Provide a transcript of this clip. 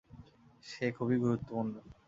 সে খুবই গুরুত্বপূর্ণ।